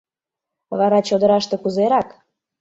Вара чодыраште кузерак?